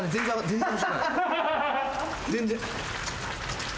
全然。